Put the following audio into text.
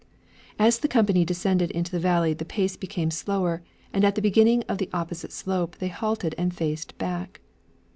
As the company descended into the valley the pace became slower, and at the beginning of the opposite slope they halted and faced back.